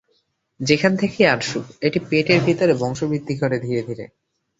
যেখান থেকেই আসুক, এটি পেটের ভেতর বংশ বৃদ্ধি করে ধীরে ধীরে।